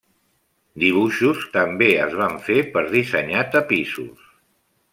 Dibuixos també es van fer per dissenyar tapissos.